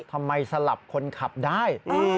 ทำไมสลับคนขับได้